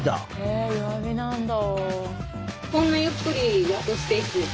え弱火なんだ。